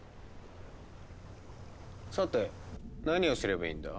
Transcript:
さて何をすればいいんだ？